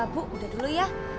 bu udah dulu ya